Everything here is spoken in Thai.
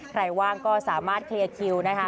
ว่างก็สามารถเคลียร์คิวนะคะ